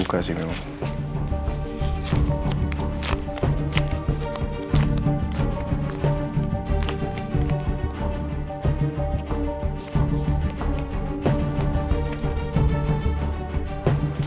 buka sih memang